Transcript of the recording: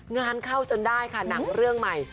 งานเข้าจนได้ค่ะหนังเรื่องใหม่